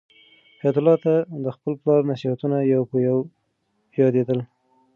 حیات الله ته د خپل پلار نصیحتونه یو په یو یادېدل.